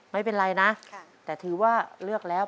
ไม่เป็นไรนะแต่ถือว่าเลือกแล้ว